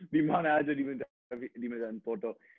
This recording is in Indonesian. dimana saja diminta foto